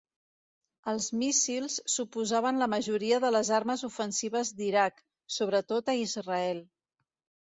Els míssils suposaven la majoria de les armes ofensives d'Iraq, sobretot a Israel.